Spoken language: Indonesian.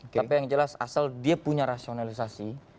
tapi yang jelas asal dia punya rasionalisasi